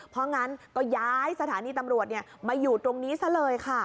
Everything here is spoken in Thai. เพราะงั้นก็ย้ายสถานีตำรวจมาอยู่ตรงนี้ซะเลยค่ะ